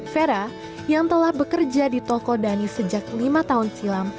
vera yang telah bekerja di toko dhani sejak lima tahun silam